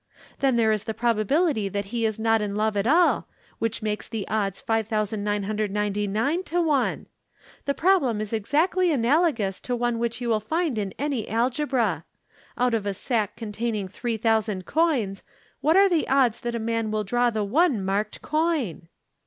Then there is the probability that he is not in love at all which makes the odds 5999 to 1. The problem is exactly analogous to one which you will find in any Algebra. Out of a sack containing three thousand coins, what are the odds that a man will draw the one marked coin?"